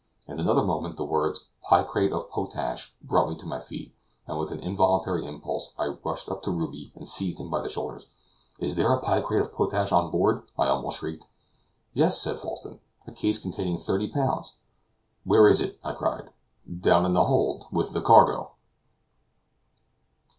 In another moment the words "picrate of potash" brought me to my feet, and with an involuntary impulse I rushed up to Ruby, and seized him by the shoulder. "Is there picrate of potash on board?" I almost shrieked. "Yes," said Falsten, "a case containing thirty pounds." "Where is it?" I cried. "Down in the hold, with the cargo."